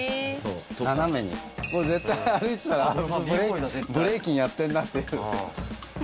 ぜったい歩いてたらブレイキンやってんなっていう。